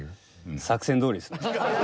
作戦どおりですね。